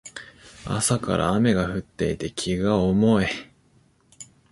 朝から雨が降っていて気が重い